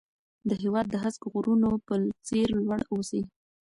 د هېواد د هسک غرونو په څېر لوړ اوسئ.